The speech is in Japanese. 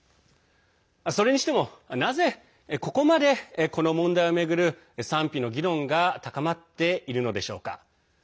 それにしても、なぜここまでこの問題を巡る賛否の議論が高まっているのでしょうか。